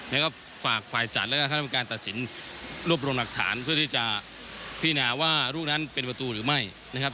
แล้วก็ฝากฝ่ายจัดแล้วก็คณะกรรมการตัดสินรวบรวมหลักฐานเพื่อที่จะพินาว่าลูกนั้นเป็นประตูหรือไม่นะครับ